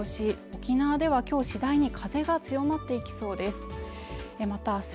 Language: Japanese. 沖縄では今日次第に風が強まっていきそうです明日